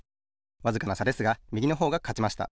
わずかなさですがみぎのほうがかちました。